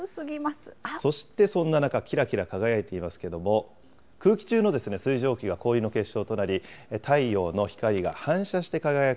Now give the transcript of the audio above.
そしてそんな中、きらきら輝いていますけれども、空気中の水蒸気が氷の結晶となり、太陽の光が反射して輝く、